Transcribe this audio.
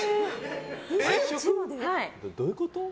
どういうこと？